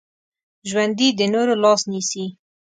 ژوندي د نورو لاس نیسي